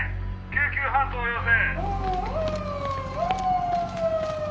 「救急搬送を要請！」